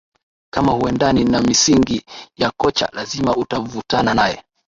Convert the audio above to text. kama huendani na misingi ya kocha lazima utavutana naye